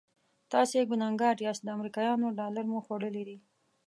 تاسې ګنهګار یاست د امریکایانو ډالر مو خوړلي دي.